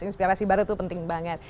inspirasi baru itu penting banget